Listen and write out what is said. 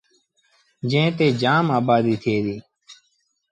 جݩهݩ تي جآم آبآديٚ ٿئي ديٚ۔